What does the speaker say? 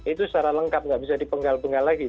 itu secara lengkap nggak bisa dipenggal penggal lagi